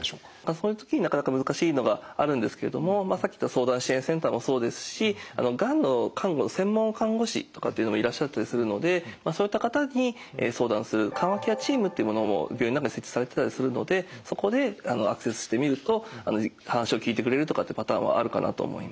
そういう時になかなか難しいのがあるんですけどもさっき言った相談支援センターもそうですしがんの看護の専門看護師とかっていうのもいらっしゃったりするのでそういった方に相談する緩和ケアチームっていうものも病院の中に設置されてたりするのでそこでアクセスしてみると話を聞いてくれるとかってパターンはあるかなと思います。